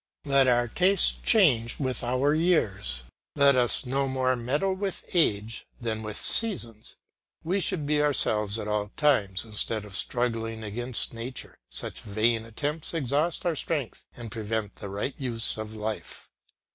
Let our tastes change with our years, let us no more meddle with age than with the seasons. We should be ourselves at all times, instead of struggling against nature; such vain attempts exhaust our strength and prevent the right use of life.